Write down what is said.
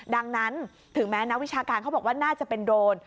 ดังนั้นถึงแม้นักวิชาการเขาบอกว่าน่าจะเป็นโดรน